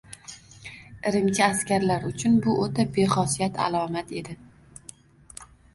Irimchi askarlar uchun bu o‘ta bexosiyat alomat edi